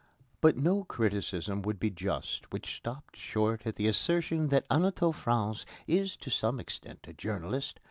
But no criticism would be just which stopped short at the assertion that Anatole France is to some extent a journalist.